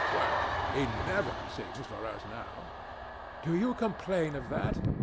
Well, he never sings for us now. DON JUAN. Do you complain of that?